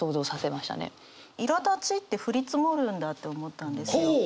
「苛立ち」って降り積もるんだって思ったんですよ。